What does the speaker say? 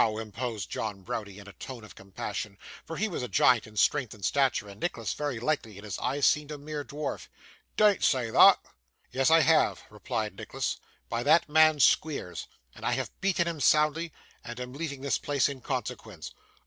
interposed John Browdie, in a tone of compassion; for he was a giant in strength and stature, and Nicholas, very likely, in his eyes, seemed a mere dwarf; 'dean't say thot.' 'Yes, I have,' replied Nicholas, 'by that man Squeers, and I have beaten him soundly, and am leaving this place in consequence.